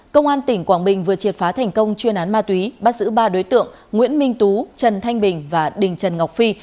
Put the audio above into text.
công an tỉnh quảng bình vừa triệt phá thành công chuyên án ma túy bắt giữ ba đối tượng nguyễn minh tú trần thanh bình và đình trần ngọc phi